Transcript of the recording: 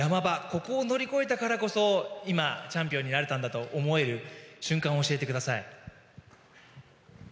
ここを乗り越えたからこそ今、チャンピオンになれたんだと思える瞬間を教えてください。